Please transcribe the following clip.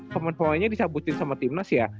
pemen pemennya disabutin sama timnas ya